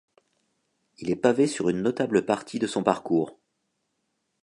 Il est pavé sur une notable partie de son parcours.